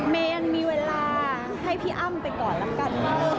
เมย์มีเวลาให้พี่อ้ำไปก่อนแล้วกัน